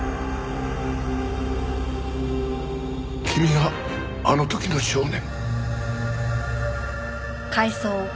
君があの時の少年？